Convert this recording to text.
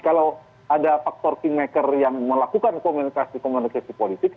kalau ada faktor kingmaker yang melakukan komunikasi komunikasi politik